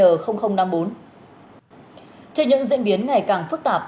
trên những diễn biến ngày càng phức tạp